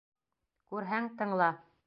— Күрһәң, тыңла.